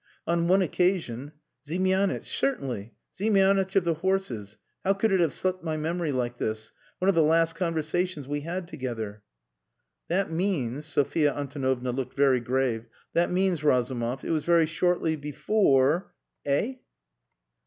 On one occasion. Ziemianitch! Certainly! Ziemianitch of the horses.... How could it have slipped my memory like this? One of the last conversations we had together." "That means," Sophia Antonovna looked very grave, "that means, Razumov, it was very shortly before eh?"